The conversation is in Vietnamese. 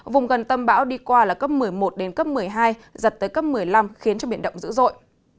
vùng gần tâm bão đi qua là cấp một mươi một đến cấp một mươi hai giật tới cấp một mươi năm khiến cho biển động dữ dội